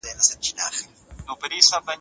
پخوانۍ ټېکنالوژي ځینې حالتونه نه کشف کولای.